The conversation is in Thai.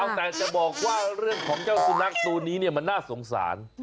แต่จะบอกว่าเรื่องของเจ้าสุนัขตัวนี้เนี่ยมันน่าสงสาร